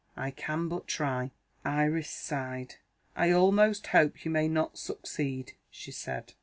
I can but try." Iris sighed. "I almost hope you may not succeed," she said.